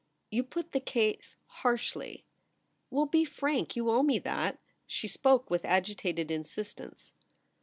' You put the case harshly '' Well, be frank. You owe me that.' She spoke with agitated insistence.